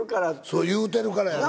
そう言うてるからやな。